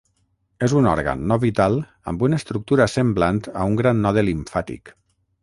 És un òrgan no vital amb una estructura semblant a un gran node limfàtic.